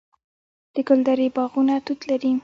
د ګلدرې باغونه توت لري.